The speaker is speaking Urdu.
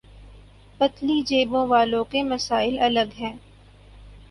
پتلی جیبوں والوں کے مسائل الگ ہیں۔